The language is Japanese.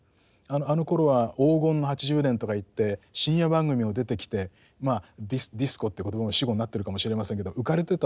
あのころは黄金の８０年とか言って深夜番組も出てきてディスコって言葉も死語になってるかもしれませんけど浮かれてたと。